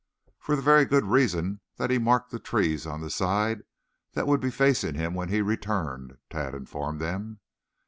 "For the very good reason that he marked the trees on the side that would be facing him when he returned," Tad informed them.